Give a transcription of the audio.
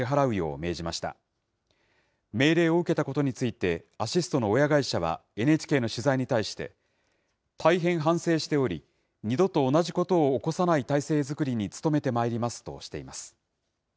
命令を受けたことについて、アシストの親会社は、ＮＨＫの取材に対して、大変反省しており、２度と同じことを起こさない体制作りに努めてまいりますとしています。